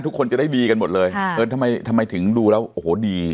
ทุกคนจะได้ดีกันหมดเลยเออทำไมทำไมถึงดูแล้วโอ้โหดี